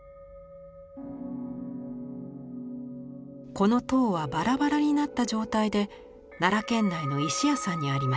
この塔はバラバラになった状態で奈良県内の石屋さんにありました。